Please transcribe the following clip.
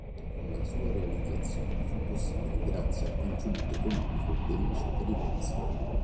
La sua realizzazione fu possibile grazie al contributo economico della cittadinanza.